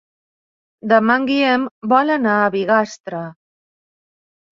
Demà en Guillem vol anar a Bigastre.